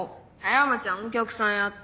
山ちゃんお客さんやって。